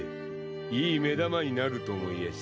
いい目玉になると思いやして。